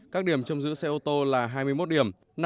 các điểm trông giữ xe ô tô là hai mươi một điểm